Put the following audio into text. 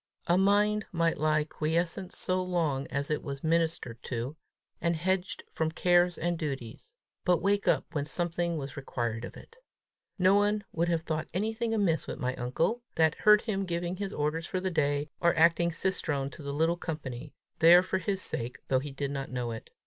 A mind might lie quiescent so long as it was ministered to, and hedged from cares and duties, but wake up when something was required of it! No one would have thought anything amiss with my uncle, that heard him giving his orders for the day, or acting cicerone to the little company there for his sake, though he did not know it.